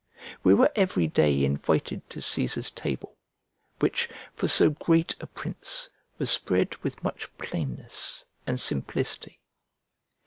We were every day invited to Cæsar's table, which, for so great a prince, was spread with much plainness and simplicity.